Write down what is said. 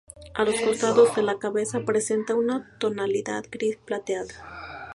A los costados de la cabeza presenta una tonalidad gris-plateada.